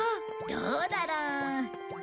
どうだろう？